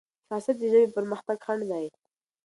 حساسيت د ژبې پرمختګ خنډ دی.